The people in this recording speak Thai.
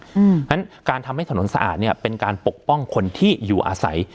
เพราะฉะนั้นการทำให้ถนนสะอาดเนี่ยเป็นการปกป้องคนที่อยู่อาศัย